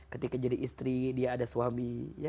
ketika jadi istri dia ada suami